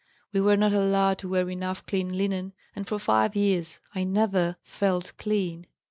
We were not allowed to wear enough clean linen, and for five years I never felt clean.